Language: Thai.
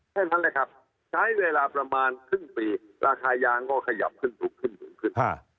แค่นั้นและครับใช้เวลาประมาณ๖๕ปีราคายางก็ขยับขึ้นถูกขึ้น